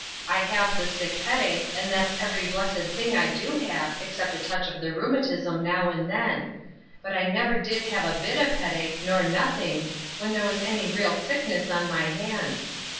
I have the sick headache, and that's every blessed thing I do have, except a touch of the rheumatism, now and then ; but I never did have a bit of headache, nor nothing, when there was any real sickness on my hands.